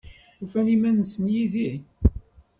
Ufan iman-nsen yid-i?